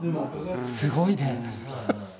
すごいね。